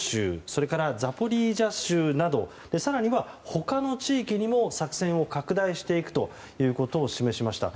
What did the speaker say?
それからザポリージャ州など更には、他の地域にも作戦を拡大していくということを示しました。